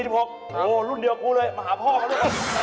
แม่๔๖ครับ๔๖โอ้โฮรุ่นเดียวกูเลยมาหาพ่อกันด้วย